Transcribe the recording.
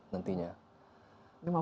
nanti bisa berubah